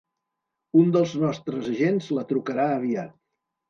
Un dels nostres agents la trucarà aviat.